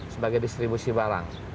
sebagai distribusi barang